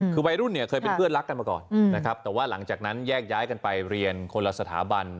คือวัยรุ่นเนี่ยเคยเป็นเพื่อนรักกันมาก่อนนะครับแต่ว่าหลังจากนั้นแยกย้ายกันไปเรียนคนละสถาบัน